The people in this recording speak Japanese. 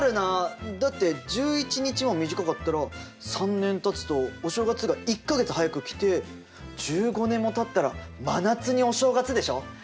だって１１日も短かったら３年たつとお正月が１か月早く来て１５年もたったら真夏にお正月でしょ？